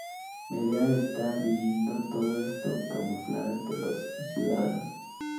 Medea está viendo todo esto camuflada entre los ciudadanos.